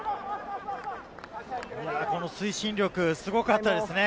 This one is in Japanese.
この推進力すごかったですね。